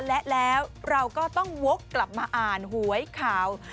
และแล้วเราก็ต้องวกกลับมาอ่านหวยข่าว